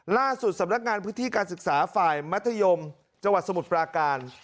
ล่าสุดสำนักงานพฤติการศึกษาฝ่ายมัธยมจสมุทรปลาการ